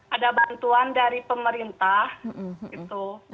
ada bantuan dari pemerintah gitu